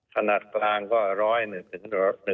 ขนาดกลางก็๑๐๐ถึง๑๒๐